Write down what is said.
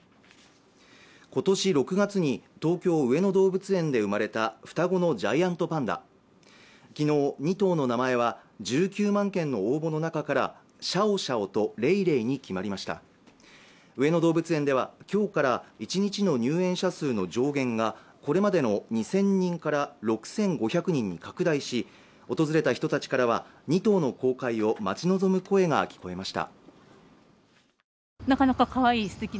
今年６月に東京上野動物園で生まれた双子のジャイアントパンダきのう２頭の名前は１９万件の応募の中からシャオシャオとレイレイに決まりました上野動物園ではきょうから１日の入園者数の上限がこれまでの２０００人から６５００人に拡大し訪れた人たちからは２頭の公開を待ち望む声が聞こえました